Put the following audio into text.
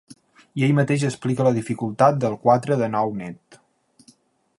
I ell mateix explica la dificultat del quatre de nou net.